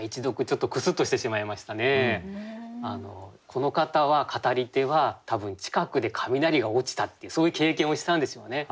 この方は語り手は多分近くで雷が落ちたっていうそういう経験をしたんでしょうね。